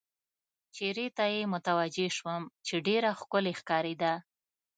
چېرې ته یې متوجه شوم، چې ډېره ښکلې ښکارېده.